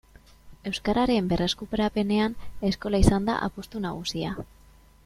Euskararen berreskurapenean eskola izan da apustu nagusia.